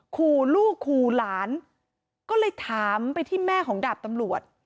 ขู่ลูกขู่หลานก็เลยถามไปที่แม่ของดาบตำรวจ